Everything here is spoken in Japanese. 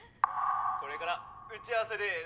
これから打ち合わせです。